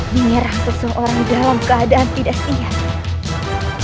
menyerah seseorang dalam keadaan tidak sihat